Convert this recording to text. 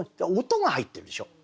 音が入ってるでしょう。